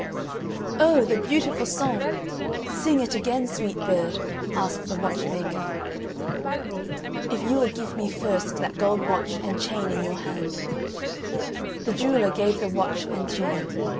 "Oh, the beautiful song! sing it again, sweet bird," asked the watchmaker. "If you will give me first that gold watch and chain in your hand." The jeweller gave the watch and chain.